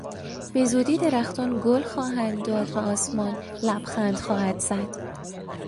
به زودی درختان گل خواهند داد و آسمان لبخند خواهد زد.